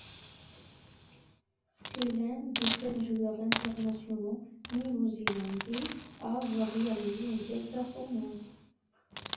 C'est l'un des sept joueurs internationaux néo-zélandais à avoir réalisé une telle performance.